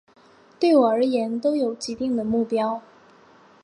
对我而言都有既定的目标